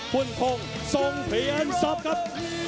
คุณโภงทรงเพียรสอบครับ